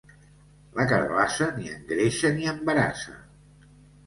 La carabassa ni engreixa ni embarassa.